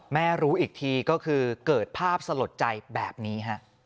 แม่รู้อีกทีก็คือเกิดภาพสลดใจแบบนี้ฮะ